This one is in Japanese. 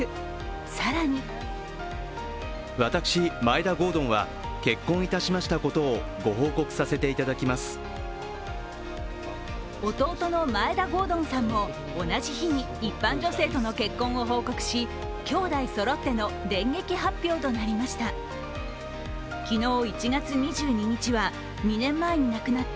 更に弟の眞栄田郷敦さんも同じ日に一般女性との結婚を報告し兄弟そろっての電撃発表となりました。